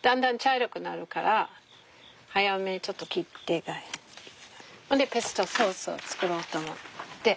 だんだん茶色くなるから早めにちょっと切ってそんでペストソースを作ろうと思って。